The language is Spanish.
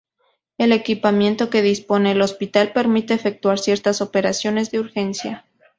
El equipamiento que dispone el hospital permite efectuar ciertas operaciones de urgencia.